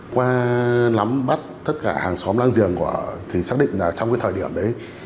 qua lắm bắt tất cả hàng xóm làng giềng của họ thì xác định là trong cái thời điểm đấy